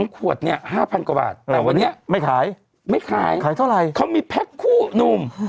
๒ขวดเนี่ย๕๐๐๐กว่าบาทแต่วันนี้ไม่ขายไม่ขายเขามีแพ็คคู่นุ่ม